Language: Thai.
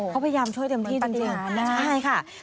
เขาพยายามช่วยเต็มที่จริงนะใช่ค่ะเหมือนตัดอย่าง